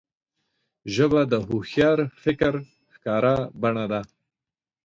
ژبه د هوښیار فکر ښکاره بڼه ده